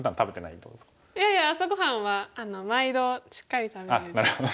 いやいや朝ご飯は毎度しっかり食べる。